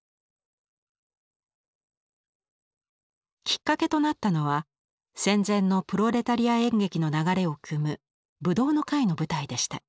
きっかけとなったのは戦前のプロレタリア演劇の流れをくむ「ぶどうの会」の舞台でした。